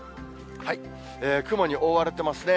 雲に覆われてますね。